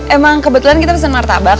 emang kebetulan kita pesan martabak